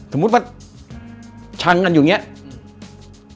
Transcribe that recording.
สมมุติว่าชังกันอยู่อย่างนี้